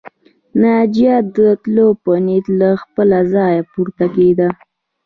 ناجيه د تلو په نيت له خپله ځايه پورته کېده